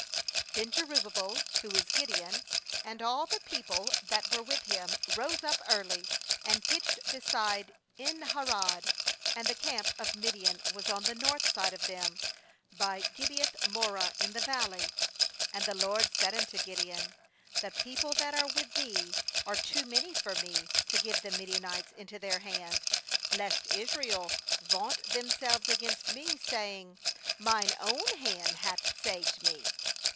n Then Jerubbaal, who is Gideon, * and all the people that were with him, rose up early, and pitched be side En harod; and the camp of Mid ian was on the north side of them, by Gibeath moreh, in the valley. 2And the LORD said unto Gideon: 'The people that are with thee are too many for Me to give the Midian ites into their hand, lest Israel vaunt themselves against Me, saying: Mine own hand hath saved me.